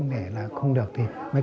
hẹn gặp lại